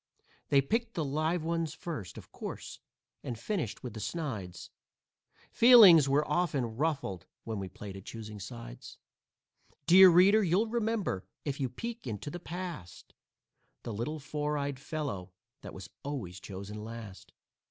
They picked the live ones first, of course, and finished with the snides; Feelings were often ruffled when we played at "choosing sides." Dear reader, you'll remember, if you peek into the past, The little four eyed fellow that was always chosen last.